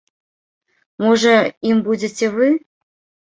Можа, ім будзеце вы?